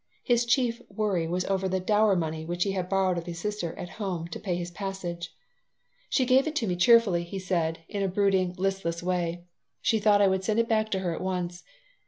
His chief worry was over the "dower money" which he had borrowed of his sister, at home, to pay for his passage "She gave it to me cheerfully," he said, in a brooding, listless way. "She thought I would send it back to her at once.